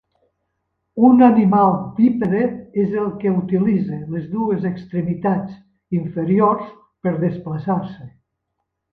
Un animal bípede és el que utilitza les dues extremitats inferiors per desplaçar-se.